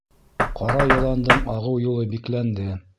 Ҡара йыландың ағыу юлы бикләнде!